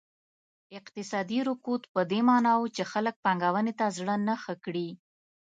اقتصادي رکود په دې معنا و چې خلک پانګونې ته زړه نه ښه کړي.